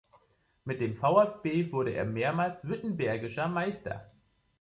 Mit dem VfB wurde er mehrmals Württembergischer Meister.